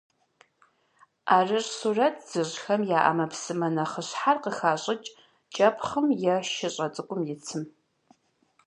Ӏэрыщӏ сурэт зыщӏхэм я ӏэмэпсымэ нэхъыщхьэр къыхащӏыкӏ кӏэпхъым е шыщӏэ цӏыкум и цым.